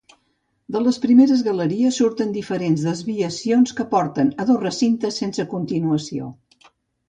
De les primeres galeries surten diferents desviacions que porten a dos recintes sense continuació.